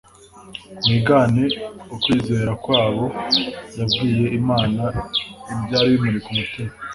mwigane ukwizera kwabo yabwiye imana ibyari bimuri ku mutima